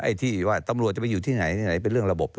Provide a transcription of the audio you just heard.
ไอ้ที่ว่าตำรวจจะไปอยู่ที่ไหนที่ไหนเป็นเรื่องระบบ